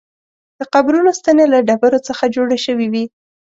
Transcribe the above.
د قبرونو ستنې له ډبرو څخه جوړې شوې وې.